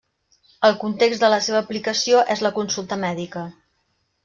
El context de la seva aplicació és la consulta mèdica.